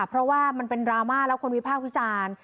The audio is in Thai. เพราะว่ามันเป็นดราม่าแล้วคนวิพากษ์วิจารณ์